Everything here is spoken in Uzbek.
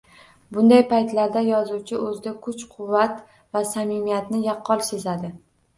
Bunday paytlarda yozuvchi oʻzida kuch-quvvat va samimiyatni yaqqol sezadi